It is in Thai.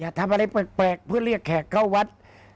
ทำอะไรแปลกเพื่อเรียกแขกเข้าวัด